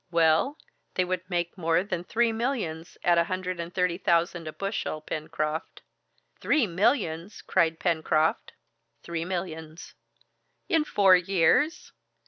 "Well, they would make more than three millions, at a hundred and thirty thousand a bushel, Pencroft." "Three millions!" cried Pencroft. "Three millions." "In four years?"